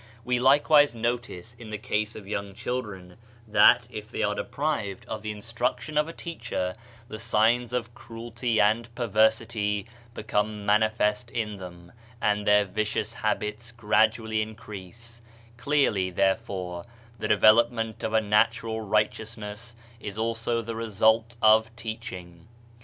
We likewise notice in the case of young children, that, if they are deprived of the instruction of a teacher, the signs of cruelty and perversity become manifest in them, and their vicious habits gradually in crease; clearly, therefore, the development of a natural righteousness is also the result of teaching.